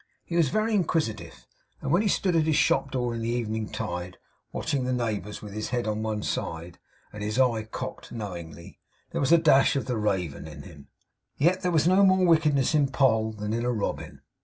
He was very inquisitive; and when he stood at his shop door in the evening tide, watching the neighbours, with his head on one side, and his eye cocked knowingly, there was a dash of the raven in him. Yet there was no more wickedness in Poll than in a robin.